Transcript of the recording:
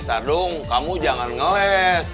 sardung kamu jangan ngeles